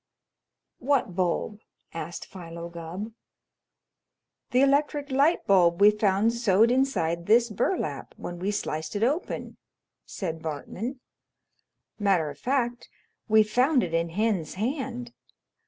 "What bulb?" asked Philo Gubb. "The electric light bulb we found sewed inside this burlap when we sliced it open," said Bartman. "Matter of fact, we found it in Hen's hand.